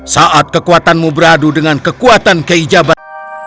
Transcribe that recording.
saat kekuatanmu beradu dengan kekuatan kiai jabat